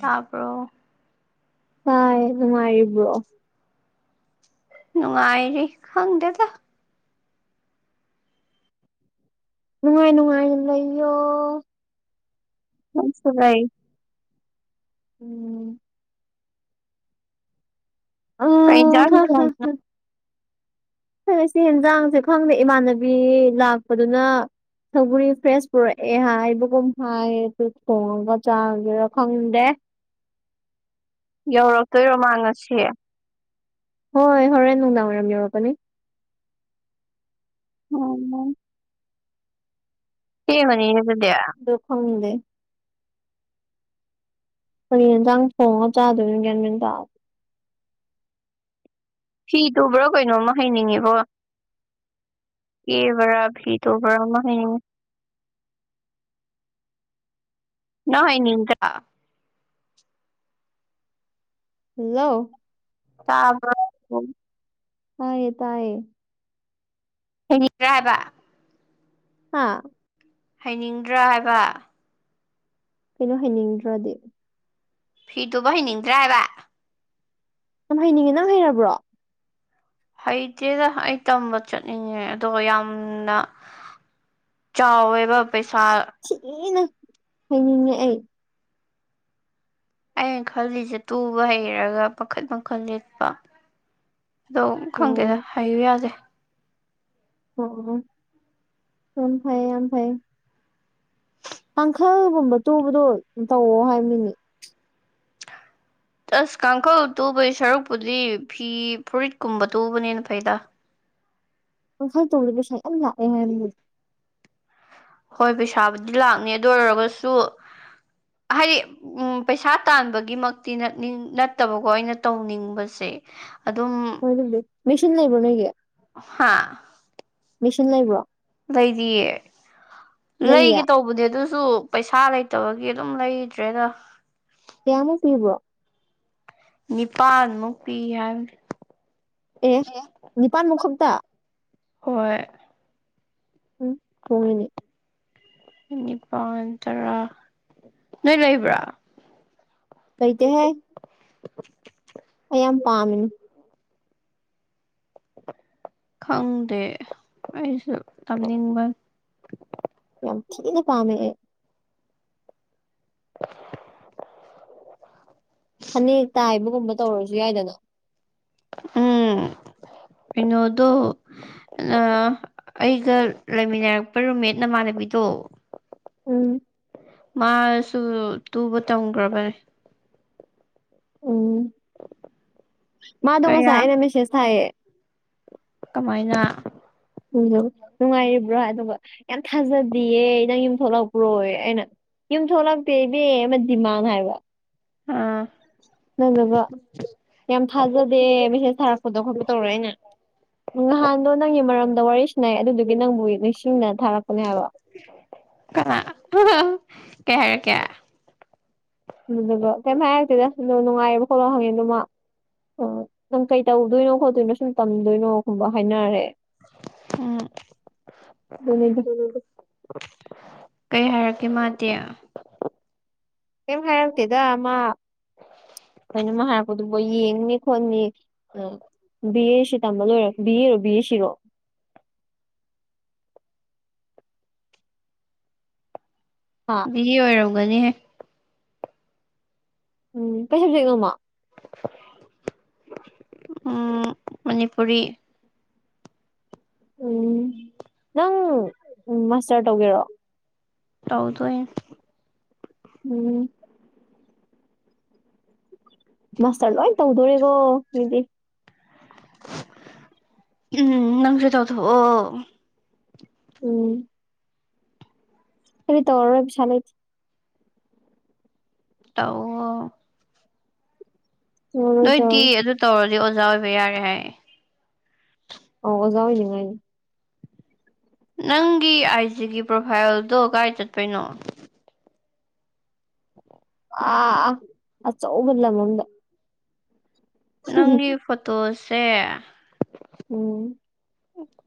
ꯇꯥꯄꯣ ꯇꯥꯏ ꯅꯨꯡꯉꯥꯏꯔꯤꯕ꯭ꯔꯣ ꯅꯨꯡꯉꯥꯏꯔꯤ ꯈꯪꯗꯦꯗ ꯅꯨꯡꯉꯥꯏ ꯅꯨꯡꯉꯥꯏꯅ ꯂꯩꯌꯣ ꯍꯁꯨꯚꯥꯏ ꯎꯝ ꯀꯩ ꯑꯣ ꯏꯟꯖꯥꯡ ꯍꯣ ꯍ ꯊꯣꯡ ꯍ ꯁꯤ ꯌꯦꯟꯖꯥꯡꯁꯦ ꯈꯪꯗꯦ ꯏꯃꯥꯟꯅꯕꯤ ꯂꯥꯛꯄꯗꯨꯅ ꯊꯧꯕꯔꯤ ꯐ꯭ꯔꯦꯁ ꯄꯨꯔꯛꯑꯦ ꯍꯥꯏꯕꯒꯨꯝ ꯍꯥꯏ ꯑꯗꯨ ꯊꯣꯡꯉꯒ ꯆꯥꯒꯦꯔꯥ ꯈꯪꯗꯦ ꯌꯧꯔꯛꯇꯣꯏꯔꯣ ꯃꯥꯡꯉꯁꯦ ꯍꯣꯏ ꯍꯣꯔꯦꯟ ꯅꯨꯡꯗꯥꯡꯋꯥꯏꯔꯝ ꯌꯧꯔꯛꯀꯥꯅꯤ ꯍꯨꯝ ꯍꯨꯝ ꯁꯤ ꯃꯅꯤ ꯌꯦ ꯑꯗꯨꯕꯨꯗꯦ ꯗꯣꯈꯡꯗꯦ ꯍꯌꯦ ꯌꯦꯟꯖꯥꯡ ꯊꯣꯡꯉꯒ ꯆꯥꯗꯣꯏꯅꯒꯦ ꯃꯤꯦꯟ ꯇ ꯐꯤ ꯇꯕ꯭ꯔꯣ ꯀꯩꯅꯣꯝꯃ ꯍꯩꯅꯤꯡꯉꯤꯕꯣ ꯑꯦꯕꯔꯕꯤ ꯇꯣꯕꯔ ꯍ ꯅꯣꯏ ꯅꯤꯡꯅꯤ꯭ꯔ ꯍꯜꯂꯣ ꯇꯥꯕ ꯍꯥꯏꯌꯦ ꯇꯌꯦ ꯍꯩꯈꯤꯗ꯭ꯔꯥ ꯍꯥꯏꯕ ꯍꯥ ꯍꯩꯅꯤꯡꯗ꯭ꯔꯥ ꯍꯥꯏꯕ ꯀꯩꯅꯣ ꯍꯩꯅꯤꯡꯗ꯭ꯔꯣꯗꯤ ꯐꯤꯇꯨꯕ ꯍꯩꯅꯤꯡꯗ꯭ꯔꯥ ꯍꯥꯏꯕ ꯌꯥꯝ ꯍꯩꯅꯤꯡꯉꯦ ꯅꯪ ꯍꯩꯔꯕ꯭ꯔꯣ ꯍꯩꯇꯦꯗ ꯑꯩ ꯇꯝꯕ ꯆꯠꯅꯤꯡꯉꯦ ꯑꯗꯨꯒ ꯌꯥꯝꯅ ꯆꯥꯎꯋꯦ ꯑꯗꯨꯒ ꯄꯩꯁꯥ ꯌꯥꯝ ꯊꯤꯅ ꯍꯩꯅꯤꯡꯉꯦ ꯑꯩ ꯑꯩꯅ ꯈꯜꯂꯤꯁꯦ ꯇꯨꯕ ꯍꯩꯔꯒ ꯄꯥꯈꯠ ꯃꯈꯈꯜ ꯂꯤꯠꯄ ꯑꯗꯣ ꯈꯪꯗꯦꯗ ꯑꯣ ꯍꯩꯌꯨ ꯌꯥꯗꯦ ꯑꯣ [unintelligible] ꯁꯝ ꯐꯥꯏ ꯌꯥꯝ ꯐꯥꯏ ꯀꯥꯡꯈꯜꯒꯨꯝꯕ ꯇꯨꯕꯗꯣ ꯇꯧꯑꯣ ꯍꯥꯏꯃꯤꯅꯤ ꯑꯁ ꯀꯥꯡꯈꯜ ꯇꯨꯕꯒꯤ ꯁꯔꯨꯛꯄꯨꯗꯤ ꯐꯤ ꯐꯨꯔꯤꯠꯀꯨꯝꯕ ꯇꯨꯕꯅꯦꯅ ꯐꯩꯗ [unintelligible] ꯄꯨꯟꯁꯤ ꯇꯨꯕꯁꯦ ꯄꯩꯁꯥ ꯌꯥꯝ ꯂꯛ ꯑꯦ ꯍꯥꯏꯕꯅꯤꯅꯦ ꯍꯣꯏ ꯄꯩꯁꯥꯕꯨꯗꯤ ꯂꯥꯛꯅꯤ ꯑꯗꯨ ꯑꯣꯏꯔꯒꯁꯨ ꯍꯥꯏꯗꯤ ꯎꯝ ꯄꯩꯁꯥ ꯇꯥꯟꯕꯒꯤꯃꯛꯇꯤꯅꯥꯠꯅꯤꯡ ꯅꯠꯇꯕꯀꯣ ꯑꯩꯅ ꯇꯧꯅꯤꯡꯕꯁꯦ ꯑꯗꯨꯝ ꯅꯣꯏꯗꯨꯕꯨꯗꯤ ꯃꯦꯆꯤꯟ ꯂꯩꯕ꯭ꯔꯣ [unintelligible] ꯍꯥ ꯃꯤꯁꯟ ꯂꯩꯕ꯭ꯔꯣ ꯂꯩꯗꯤꯌꯦ ꯂꯩꯌꯦ ꯂꯩꯒꯦ ꯇꯧꯕꯅꯦ ꯑꯗꯨꯁꯨ ꯄꯩꯁꯥ ꯂꯩꯇꯕꯒꯤ ꯑꯗꯨꯝ ꯂꯩꯗ꯭ꯔꯦꯗ ꯀꯌꯥꯃꯨꯛ ꯄꯤꯕ꯭ꯔꯣ ꯅꯤꯄꯥꯜꯃꯨꯛ ꯄꯤ ꯑꯦ ꯅꯤꯄꯥꯟꯃꯨꯛ ꯍꯥꯏꯕꯅꯦ ꯈꯛꯇ ꯍꯣꯏ ꯎꯝ ꯍꯣꯡꯉꯅꯤ ꯅꯤꯄꯥꯜ ꯇꯔꯥ ꯅꯣꯏ ꯂꯩꯕ꯭ꯔꯥ ꯂꯩꯗꯦ ꯍꯦ ꯑꯩ ꯌꯥꯝ ꯄꯥꯝꯃꯤ ꯈꯪꯗꯦ ꯑꯩꯁꯨ ꯇꯝꯅꯤꯡꯕ ꯌꯥꯝ ꯊꯤꯅ ꯄꯥꯃꯦ ꯑꯩ ꯐꯅꯦꯛ ꯇꯥꯏꯕꯒꯨꯝꯕ ꯇꯧꯔꯁꯨ ꯌꯥꯏꯗꯅ ꯎꯝ ꯏꯩꯅꯣꯗꯣ ꯑꯥ ꯑꯩꯒ ꯂꯩꯃꯤꯟꯅꯔꯛꯄ ꯔꯨꯝꯃꯦꯠ ꯅꯃꯥꯟꯅꯕꯤꯗꯣ ꯎꯝ ꯃꯥꯁꯨ ꯇꯨꯕ ꯇꯝꯒꯔꯥꯕꯅꯦ ꯎꯝ ꯃꯥꯥꯗꯣ ꯉꯁꯥꯏ ꯀꯌꯥ ꯑꯩꯅ ꯃꯦꯁꯦꯁ ꯊꯥꯏꯌꯦ ꯀꯃꯥꯏꯅ ꯎ ꯅꯨꯡꯉꯥꯏꯔꯤꯕ꯭ꯔꯣ ꯑꯗꯨꯒ ꯌꯥꯝ ꯊꯥꯖꯗꯤꯌꯦ ꯅꯪ ꯌꯨꯝ ꯊꯣꯛꯂꯛꯄ꯭ꯔꯣꯌꯦ ꯑꯩꯅ ꯌꯨꯝ ꯊꯣꯛꯂꯛꯇꯦ ꯏꯕꯦ ꯑꯃ ꯗꯤꯃꯥꯟ ꯍꯥꯏꯕ ꯑꯥ ꯅꯪꯅꯕ ꯌꯥꯝ ꯊꯥꯖꯗꯦ ꯃꯦꯁꯦꯁ ꯊꯥꯔꯛꯄꯗꯣ ꯈꯣꯠꯄ ꯇꯧꯔ ꯑꯩꯅ ꯅꯍꯥꯟꯗꯣ ꯅꯪꯒꯤ ꯃꯔꯝꯗ ꯋꯥꯔꯤ ꯁꯥꯅꯩ ꯑꯗꯨꯗꯨꯒꯤ ꯅꯪꯕꯨ ꯅꯤꯡꯁꯤꯡꯅ ꯊꯥꯔꯛꯄꯅꯦ ꯍꯥꯏꯕ [unintelligible] ꯀꯅꯥ ꯍꯥꯍꯥ ꯀꯩ ꯍꯥꯏꯔꯛꯀꯦ [unintelligible] ꯎ ꯑꯗꯨ ꯀꯩꯃ ꯍꯥꯏꯔꯛꯇꯦꯗꯥ ꯅꯨꯡꯉꯥꯏꯔꯤꯕꯣ ꯈꯣꯠꯂꯣ ꯍꯪꯉꯦ ꯑꯗꯨꯃ ꯑꯣ ꯅꯪ ꯀꯩ ꯇꯧꯗꯣꯏꯅꯣ ꯈꯣꯠꯇꯣꯏꯅꯣ ꯁꯨꯝ ꯇꯝꯗꯣꯏꯅꯣꯒꯨꯝꯕ ꯍꯥꯏꯅꯔꯦ ꯎꯝ ꯑꯗꯨꯅꯤꯗ ꯎꯝ ꯀꯩ ꯍꯥꯏꯔꯛꯀꯦ ꯃꯥꯗꯤꯦ ꯦꯝ ꯍꯇꯗ ꯃꯥ ꯀꯩꯅꯃ ꯍꯥꯏꯔꯛꯄꯗꯨꯕꯨ ꯌꯦꯡꯅꯤ ꯈꯣꯠꯅꯤ ꯑ ꯕꯤ ꯑꯦ ꯁꯤ ꯇꯝꯕ ꯂꯣꯏꯔꯣ ꯕꯤ ꯑꯦꯔꯣ ꯕꯤ ꯑꯦ ꯁꯤꯔꯣ ꯑ ꯃꯤꯒꯤ ꯑꯣꯏꯔꯝꯒꯅꯤꯍꯦ ꯎꯝ ꯀꯩꯁꯗꯤꯉꯝꯃ ꯎꯝ ꯃꯅꯤꯄꯨꯔꯤ ꯎꯝ ꯅꯪ ꯎ ꯃꯥꯁꯇꯔ ꯇꯧꯒꯦꯔꯣ ꯇꯧꯗ ꯎꯝ ꯃꯥꯁꯇꯔ ꯂꯣꯏ ꯇꯧꯗꯣꯔꯤꯦꯒꯣ ꯅꯗꯤ ꯎꯝ ꯅꯪꯁꯨꯔꯤ ꯇꯥꯎꯗ ꯑꯣ ꯎꯝ ꯐ ꯇꯧꯔꯣꯏꯕꯤꯁꯂꯦ ꯇꯣ ꯇꯧꯔꯔꯣꯏ ꯅꯣꯏꯗꯤ ꯇꯧꯔꯔꯣꯏ ꯑꯗꯨ ꯇꯧꯔꯗꯤ ꯑꯣꯖꯥ ꯑꯣꯏꯕ ꯌꯥꯔꯦ ꯍꯥꯏ ꯑꯣ ꯑꯣꯖꯥꯋꯅꯅꯨꯡꯉꯥꯏ ꯅꯪꯒꯤ ꯑꯥꯏꯖꯤꯒꯤ ꯄ꯭ꯔꯣꯐꯥꯏꯜꯗꯣ ꯀꯗꯥꯥꯏ ꯆꯠꯄꯩꯅꯣ ꯑ ꯑ ꯆꯧꯒꯂ ꯃꯗ ꯅꯪꯒꯤ ꯐꯣꯇꯣꯁꯦ ꯎꯝ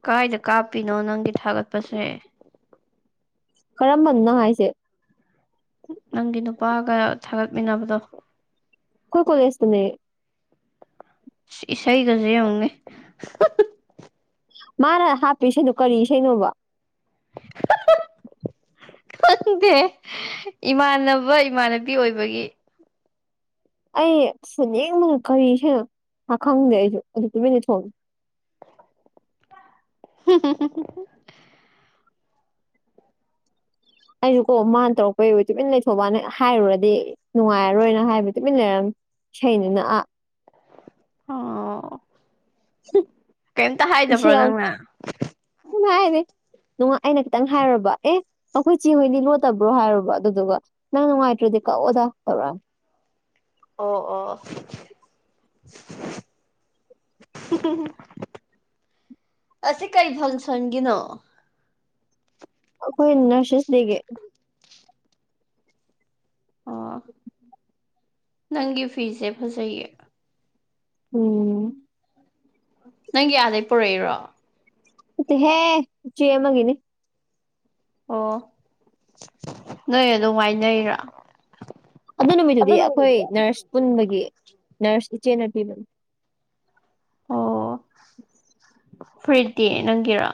ꯀꯥꯏꯗ ꯀꯥꯞꯄꯤꯅꯣ ꯅꯪꯒꯤ ꯊꯥꯒꯠꯄꯁꯦ ꯀꯔꯝꯕꯅꯣ ꯍꯥꯏꯁꯦ ꯅꯪꯒꯤ ꯅꯨꯄꯥꯒ ꯊꯥꯒꯠꯃꯤꯟꯅꯕꯗꯣ ꯑꯩꯈꯣꯏꯀꯣꯜꯁꯅꯤ ꯏꯁꯩꯁꯥꯏ ꯀꯖ ꯍꯣꯡꯒꯦ ꯃꯥꯅ ꯍꯥꯞꯄꯤ ꯁꯩꯅꯣ ꯀꯔꯤ ꯏꯁꯩꯅꯣꯕ [unintelligible] ꯈꯪꯗꯦ ꯏꯃꯥꯟꯅꯕ ꯏꯃꯥꯟꯅꯕꯤ ꯑꯣꯏꯕꯒꯤ ꯑꯩ ꯐꯅꯦꯛ ꯀꯔꯤꯁꯅꯣ ꯈꯪꯗꯦ ꯑꯩꯁꯨ ꯑꯗꯨ ꯇꯨꯃꯤꯟꯅ ꯊꯣꯡꯉꯦ ꯎꯝ ꯑꯩꯁꯨ ꯀꯣ ꯃꯥꯅ ꯇꯧꯔꯛꯄꯩꯕ ꯇꯨꯃꯤꯟ ꯂꯩꯊꯣꯛꯕꯅ ꯍꯥꯏꯔꯨꯔꯗꯤ ꯅꯨꯡꯉꯥꯏꯔꯣꯏꯅ ꯍꯥꯏꯕꯗꯤ ꯇꯨꯃꯤꯟꯅꯔꯝ ꯁꯅꯤꯅ ꯑꯥ ꯑꯣ ꯀꯩꯝꯇ ꯍꯥꯏꯗꯕ꯭ꯔꯣ ꯅꯪꯅ ꯁꯨꯝ ꯍꯥꯏꯔꯤꯅꯨꯡ ꯑꯩꯅ ꯈꯤꯇꯪ ꯍꯥꯏꯨꯔꯕ ꯑꯦ ꯑꯩꯈꯣꯏ ꯆꯦ ꯍꯣꯏꯅꯤ ꯂꯣꯠꯇꯕ꯭ꯔꯣ ꯍꯥꯏꯔꯨꯕ ꯑꯗꯨꯗꯨꯒ ꯅꯪ ꯅꯨꯡꯉꯥꯏꯇ꯭ꯔꯗꯤ ꯀꯛꯑꯣꯗ ꯇꯧꯔꯛꯑꯒꯦ ꯑꯣ ꯑꯣ꯫ ꯑꯁꯤ ꯀꯔꯤ ꯐꯪꯁꯟꯒꯤꯅꯣ꯫ ꯑꯩꯈꯣꯏ ꯅꯔꯁꯦꯁ ꯗꯦꯒꯤ꯫ ꯑꯣ ꯅꯪꯒꯤ ꯐꯤꯁꯦ ꯐꯖꯩꯌꯦ꯫ ꯎꯝ꯫ ꯅꯪꯒꯤ ꯑꯥꯗꯩ ꯄꯨꯔꯛꯏꯔꯣ꯫ ꯅꯠꯇꯦꯍꯦ ꯏꯆꯦ ꯑꯃꯒꯤꯅꯤ꯫ ꯑꯣ ꯅꯣꯏ ꯑꯗꯨꯝ ꯉꯥꯏꯅꯩꯔꯥ ꯑꯗꯨ ꯅꯨꯃꯤꯠꯇꯨꯗꯤ ꯑꯩꯈꯣꯏ ꯅꯔꯁ ꯄꯨꯟꯕꯒꯤ ꯅꯔꯁ ꯏꯆꯦꯅ ꯄꯤꯕꯅꯤ ꯑꯣ ꯐꯔꯤꯗꯤ ꯅꯪꯤꯔꯥ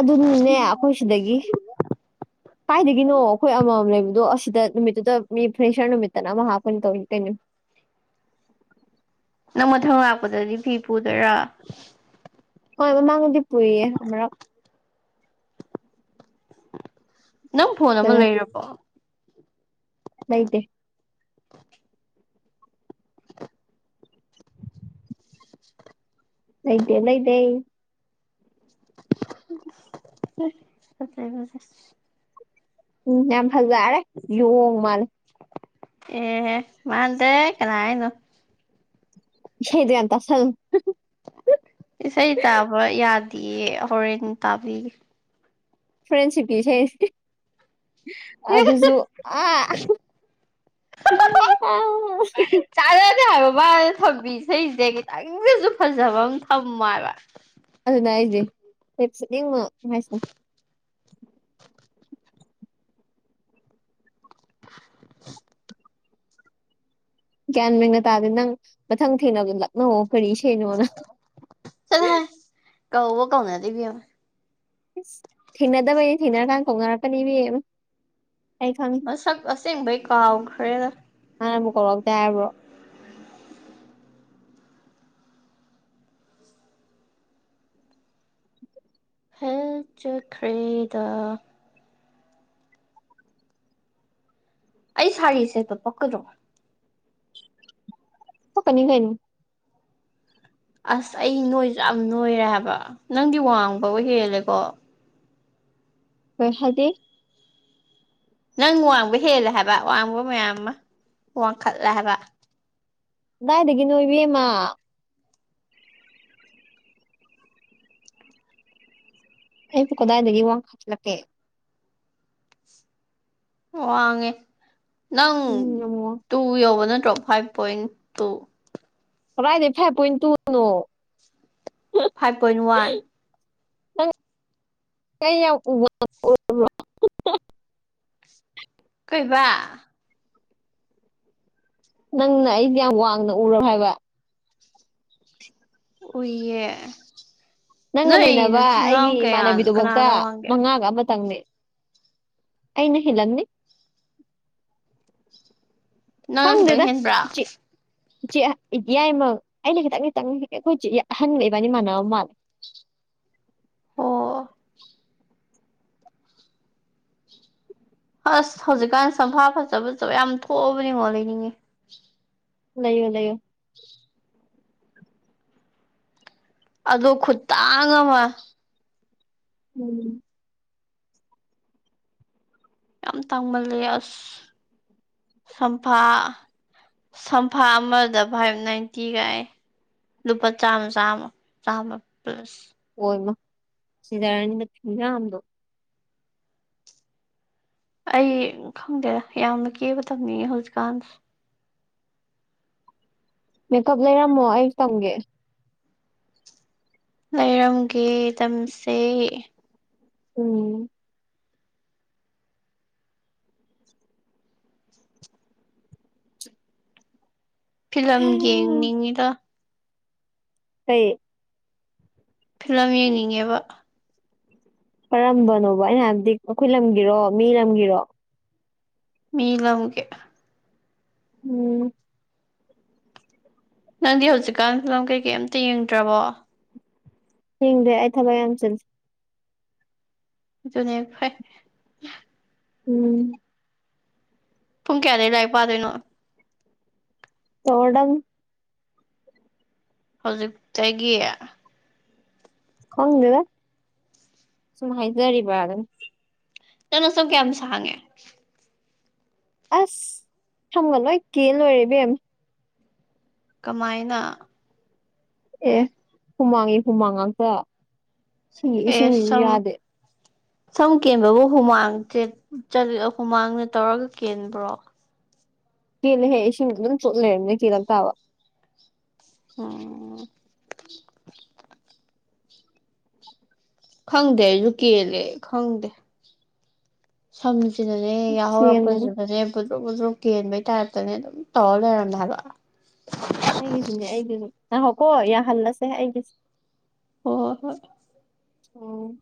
ꯑꯗꯨꯅꯅꯦ ꯑꯩꯈꯣꯏ ꯁꯤꯗꯒꯤ ꯀꯥꯏꯗꯒꯤꯅꯣ ꯑꯩꯈꯣꯏ ꯑꯃꯃꯝ ꯂꯩꯕꯗꯣ ꯑꯁꯤꯗ ꯅꯨꯃꯤꯠꯇꯨꯗ ꯃꯤ ꯐ꯭ꯔꯦꯁꯅ ꯅꯨꯝ ꯃꯤꯠꯇꯅ ꯑꯃꯃ ꯍꯥꯄꯅꯤ ꯇꯧꯣꯇꯦꯅꯤ ꯅꯪ ꯃꯊꯪ ꯂꯥꯛꯄꯗꯗꯤ ꯐꯤ ꯄꯨꯗꯣꯏꯔꯥ ꯍꯣꯏ ꯃꯃꯥꯡꯗꯤ ꯄꯨꯏꯌꯦ ꯑꯃꯛ ꯅꯪ ꯐꯣꯟ ꯑꯃ ꯂꯩꯔꯕꯣ ꯂꯩꯇꯦ꯫ [unintelligible] ꯂꯩꯩꯇꯦ ꯂꯩꯗꯦ꯫ ꯐꯖꯩ ꯐꯖꯩ꯫ ꯎꯝ ꯌꯥꯝ ꯐꯖꯔꯦ ꯌꯣꯡ ꯃꯥꯜꯂꯦ꯫ ꯑꯦ ꯑꯦ ꯃꯥꯥꯟꯗꯦ ꯀꯅꯥ ꯍꯥꯏꯅꯣ꯫ ꯏꯁꯩꯗꯣ ꯌꯥꯝ ꯇꯥꯁꯜꯂꯨ꯫ ꯏꯁꯩ ꯇꯥꯕ ꯌꯥꯗꯤꯌꯦ ꯍꯣꯔꯦꯟ ꯇꯥꯕꯤꯒꯦ꯫ ꯐ꯭ꯔꯦꯟꯁꯤꯞꯀꯤ ꯏꯁꯩ ꯑꯗꯨꯖꯨ ꯑ ꯑ ꯆꯥꯅꯗꯦ ꯍꯥꯏꯕ ꯃꯥꯅ ꯊꯝꯃꯤ ꯏꯁꯩꯖꯦ ꯈꯤꯇꯪꯗꯖꯨ ꯐꯖꯕ ꯑꯃ ꯊꯝꯃꯣ ꯍꯥꯏꯕ꯫ ꯑꯗꯨꯅꯦ ꯍꯥꯏꯖꯦ [unintelligible] [unintelligible] ꯒ꯭ꯌꯥꯟ ꯃꯦꯟꯒ ꯇꯥꯗꯦ ꯅꯪ ꯃꯊꯪ ꯊꯦꯡꯅꯕꯗ ꯂꯛꯅꯧꯋꯣ ꯀꯔꯤ ꯏꯁꯩꯅꯣꯅ꯫ ꯀꯧꯕꯧ ꯀꯧꯅꯗꯦ ꯏꯕꯦꯃ꯫ ꯏꯁ ꯊꯦꯡꯅꯗꯕꯩ ꯊꯦꯡꯅꯔꯀꯥꯟꯗ ꯀꯧꯅꯔꯛꯀꯅꯤ ꯏꯕꯦꯝꯃ꯫ ꯑꯩ ꯈꯪꯉꯤ ꯃꯁꯛ ꯑꯁꯦꯕꯩ ꯀꯥꯎ ꯒꯔꯦ꯫ ꯃꯥꯟꯅꯕꯨ ꯀꯧꯔꯛꯇꯦ ꯍꯥꯏꯕ꯭ꯔꯣ꯫ ꯍꯦꯜ ꯆꯠꯈ꯭ꯔꯦꯗ꯫ ꯑꯩ ꯁꯥꯔꯤꯁꯦꯠꯄ ꯄꯛꯀꯗ꯭ꯔꯣ꯫ ꯄꯛꯀꯅꯤ ꯀꯩꯅꯣ꯫ ꯑꯁ ꯑꯩ ꯅꯣꯏꯖꯨ ꯌꯥꯝ ꯅꯣꯏꯔꯦ ꯍꯥꯏꯕ ꯅꯪꯗꯤ ꯋꯥꯡꯕꯕꯨ ꯍꯦꯜꯂꯦꯀꯣ꯫ [unintelligible] ꯅꯪ ꯋꯥꯡꯕ ꯍꯦꯜꯂꯦ ꯍꯥꯏꯕ ꯋꯥꯡꯕ ꯃꯌꯥꯝꯃ ꯋꯥꯡꯈꯠꯂꯦ ꯍꯥꯏꯕ꯫ ꯀꯗꯥꯏꯗꯒꯤꯅꯣ ꯏꯕꯦꯝꯃ꯫ ꯑꯩꯕꯨ ꯀꯗꯥꯥꯏꯗꯒꯤ ꯋꯥꯡꯈꯠꯂꯛꯀꯦ꯫ ꯋꯥꯡꯉꯦ ꯅꯪ ꯎꯝ ꯑꯃꯨꯛ ꯇꯨ ꯌꯧꯕ ꯅꯠꯇ꯭ꯔꯣ ꯐꯥꯏꯕ ꯄꯣꯏꯟ ꯇꯨ꯫ ꯀꯔꯥꯏꯗꯗꯤ ꯐꯥꯏꯕ ꯄꯣꯏꯟ ꯇꯨꯅꯣ꯫ Five point one. ꯅꯪ [unintelligible] ꯀꯩꯕ꯫ ꯅꯪꯅ ꯑꯩꯗꯤ ꯌꯥꯝ ꯋꯥꯡꯅ ꯑꯨꯔꯕ ꯍꯥꯏꯕ꯫ ꯑꯨꯏꯌꯦ꯫ ꯅꯪꯒ ꯂꯩꯅꯕ ꯑꯩꯒꯤ ꯀꯌꯥꯅꯣ ꯏꯃꯥꯟꯅꯕꯤꯗꯨꯐꯧꯇ ꯀꯅꯥꯅ ꯋꯥꯡꯒꯦ ꯃꯉꯥꯒ ꯑꯃꯇꯪꯅꯦ ꯑꯩꯅ ꯍꯂꯂꯝꯅꯤ ꯅꯪꯅ ꯐꯪꯗꯦꯗ ꯈꯤꯇꯪ ꯍꯦꯟꯕ꯭ꯔꯥ ꯏꯆꯦ ꯏꯌꯥꯏꯃꯛ ꯑꯩꯅ ꯈꯤꯇꯪ ꯈꯤꯇꯪ ꯑꯩꯈꯣꯏꯦ ꯑꯍꯟꯒ ꯏꯕꯥꯅꯤ ꯃꯥꯟꯅꯕ ꯃꯥꯜꯂꯦ ꯑꯣ ꯑꯁ ꯍꯧꯖꯤꯛꯀꯥꯟ ꯁꯝꯐꯥ ꯐꯖꯕꯖꯕ ꯌꯥꯝ ꯊꯣꯛꯑꯕꯅꯤꯉꯣ ꯂꯩꯅꯤꯡꯉꯤ ꯂꯩꯌꯣ ꯂꯩꯌꯣ [inaudible] ꯑꯗꯣ ꯈꯨꯇꯥꯡ ꯑꯃ꯫ ꯎꯝ꯫ ꯌꯥꯝ ꯇꯥꯡꯃꯜꯂꯦ ꯑꯁ ꯁꯝꯐꯥ ꯁꯝꯐꯥ ꯑꯃꯗ ꯐꯥꯏꯕ ꯅꯥꯏꯟꯇꯤ ꯒꯥꯏꯌꯦ꯫ ꯂꯨꯄꯥ ꯆꯥꯝꯃ ꯆꯥꯝꯃ ꯆꯥꯝꯃ ꯄꯂꯁ꯫ ꯑꯣꯏꯃ ꯁꯤꯗꯔꯅꯤ [unintelligible] ꯈꯨꯌꯥꯝꯗꯣ꯫ ꯑꯩ ꯈꯪꯗꯦꯗ ꯌꯥꯝꯅ ꯀꯦꯕ ꯊꯝꯅꯤꯡꯉꯦ ꯍꯧꯖꯤꯛꯀꯥꯟꯖ꯫ ꯃꯦꯀꯞ ꯂꯩꯔꯝꯃꯣ ꯑꯩꯖꯨ ꯇꯝꯒꯦ꯫ ꯂꯩꯔꯝꯒꯦ ꯇꯝꯁꯦ ꯎꯝ ꯐꯤꯂꯝ ꯌꯦꯡꯅꯤꯡꯉꯤꯗ ꯀꯩꯌꯦ ꯐꯤꯂꯝ ꯌꯦꯡꯅꯤꯡꯉꯦꯕ ꯀꯔꯝꯕꯅꯣꯕ ꯑꯩꯅ ꯍꯥꯏꯕꯗꯤ ꯑꯩꯈꯣꯏ ꯂꯝꯒꯤꯔꯣ ꯃꯤ ꯂꯝꯒꯤꯔꯣ ꯃꯤ ꯂꯧꯒꯦ ꯎꯝ ꯅꯪꯗꯤ ꯍꯧꯖꯤꯛꯀꯥꯟ ꯐꯤꯂꯝ ꯀꯩꯀꯩ ꯑꯃꯝꯇ ꯌꯦꯡꯗ꯭ꯔꯕꯣ ꯍꯤꯡꯗꯦ ꯑꯩ ꯊꯕ ꯌꯥꯝ ꯆꯜꯁꯁꯤ ꯑꯗꯨꯅꯦ ꯐ ꯎꯝ ꯄꯨꯡ ꯀꯌꯥꯗ ꯂꯥꯏꯔꯤꯛ ꯄꯥꯗꯣꯏꯅꯣ ꯇꯣꯠꯝ ꯍꯧꯖꯤꯛꯇꯒꯤ ꯈꯪꯗꯦꯗ ꯁꯨꯝ ꯍꯥꯏꯖꯔꯤꯕ꯭ꯔꯥ ꯑꯗꯨꯝ ꯇꯅꯣ ꯁꯝ ꯀꯌꯥꯝ ꯁꯥꯡꯉꯦ ꯑꯁ ꯊꯪꯒꯜꯂꯣꯏ ꯀ ꯂꯣꯏꯔꯕꯤ ꯑꯦꯝ ꯀꯃꯥꯏꯅ ꯑꯦ ꯍꯨꯃꯥꯡꯒꯤ ꯍꯨꯃꯥꯡ ꯉꯥꯛꯇ ꯁꯤꯒꯤ ꯏꯁꯤꯡꯁꯤꯁꯨ ꯑꯦꯁꯝ ꯌꯥꯗꯦ ꯁꯝ ꯀꯦꯟꯕꯕꯨ ꯍꯨꯃꯥꯡꯠ ꯍꯨꯃꯥꯡꯗ ꯇꯧꯔꯒ ꯀꯦꯟꯕ꯭ꯔꯣ ꯀꯂ ꯍꯦ ꯁꯤꯝ ꯆꯣꯠꯂꯅꯦ ꯀ ꯇꯥꯋꯥ ꯑꯣ ꯈꯪꯗꯦ ꯌꯨꯀꯦꯜꯂꯦ ꯈꯪꯗꯦ ꯁꯝꯁꯤꯗꯁꯦ ꯌꯥꯍꯧꯔꯛꯄꯁꯤ ꯁꯦꯝꯒꯅꯤ ꯐꯁꯦ ꯐꯨꯗ꯭ꯔꯣꯛ ꯐꯨꯗ꯭ꯔꯨ ꯀꯦꯟꯕꯩ ꯇꯥꯔꯞꯇꯅꯦ ꯑꯗꯨꯝ ꯇꯧꯔ ꯂꯩꯔꯝꯃꯦ ꯍꯥꯏꯕ ꯑꯩꯒꯤꯁꯨꯅꯦ ꯑꯩꯒꯤꯁꯨ ꯉꯍꯧꯀꯣ ꯌꯥꯍꯜꯂꯁꯦ ꯑꯩꯒꯤꯁꯦ ꯍ ꯍꯣꯏ ꯍꯣꯏ ꯑꯣ